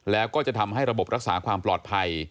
แล้วก็จะทำให้ระบบรักษาความปลอดภัย